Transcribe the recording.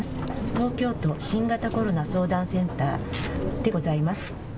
東京都新型コロナ相談センターでございます。